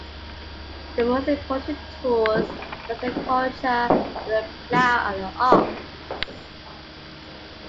The most important tools for the agriculture were the plow and the ox.